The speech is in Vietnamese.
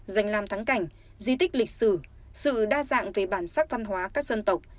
dành làm thắng cảnh di tích lịch sử sự đa dạng về bản sắc văn hóa các dân tộc